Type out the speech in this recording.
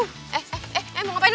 eh eh eh mau ngapain lu